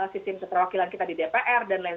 sistem keterwakilan kita di dpr dan lain